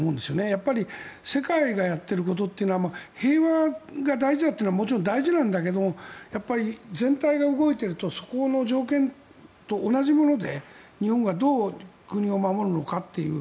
やっぱり世界がやってることというのは平和が大事だというのはもちろん大事なんだけどやっぱり全体が動いているとそこの条件と同じもので日本がどう国を守るのかっていう。